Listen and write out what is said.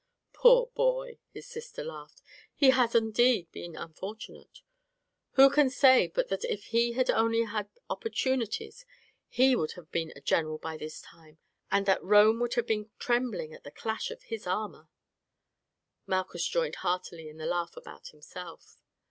"Poor boy," his sister laughed, "he has indeed been unfortunate. Who can say but that if he had only had opportunities he would have been a general by this time, and that Rome would have been trembling at the clash of his armour." Malchus joined heartily in the laugh about himself.